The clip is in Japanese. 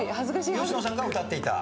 佳乃さんが歌っていた。